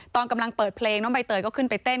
ตอนกำลังเปิดเพลงน้องใบเตยก็ขึ้นไปเต้น